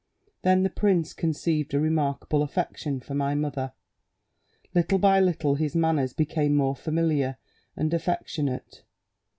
Then the prince conceived a remarkable affection for my mother; little by little his manners became more familiar and affectionate.